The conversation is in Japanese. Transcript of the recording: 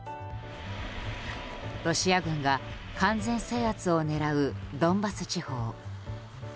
ロシア軍が完全制圧を狙うドンバス地方。